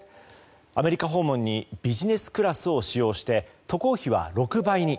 アメリカ訪問にビジネスクラスを使用して渡航費は６倍に。